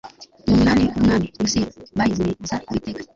n umunani w umwami yosiya bayiziririza uwiteka